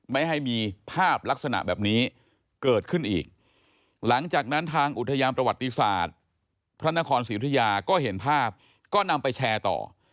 ไม่ให้มีภาพลักษณะแบบนี้เกิดขึ้นอีกหลังจากนั้นทางอุทยานประวัติศาสตร์พระนครศรีอุทยาก็เห็นภาพก็นำไปแชร์ต่อ